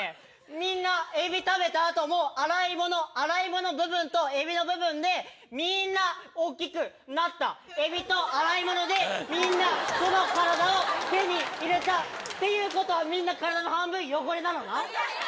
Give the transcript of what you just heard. みんなエビ食べたあとも洗い物、洗い物部分とエビの部分でみんな大きくなったエビと洗い物でみんな、この体を手に入れたっていうことは、みんな体の半分は汚れなのな。